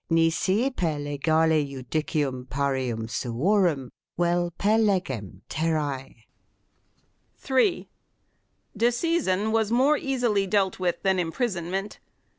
nisi per legale judicium parium suorum uel per legem terrae." 2 3. Disseisin was more easily dealt with than im prisonment.